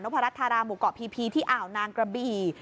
นกพลลั๊ดธารามูกเกาะที่อ่าวนางกระบี่